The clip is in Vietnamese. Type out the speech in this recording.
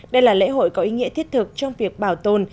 đây là lễ hội có ý nghĩa thiết thực trong việc bảo tồn